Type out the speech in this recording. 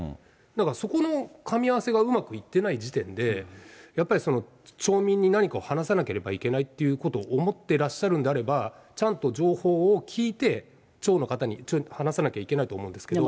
だからそこのかみ合わせがうまくいってない時点で、やっぱり、町民に何かを話さなければいけないということを思ってらっしゃるんであれば、ちゃんと情報を聞いて、町の方に話さなきゃいけないと思うですけど。